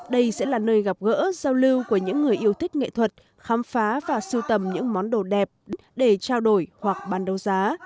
đây sẽ là nơi gặp gỡ giao lưu của những người yêu thích nghệ thuật khám phá và sưu tầm những món đồ đẹp để trao đổi hoặc bàn đấu giá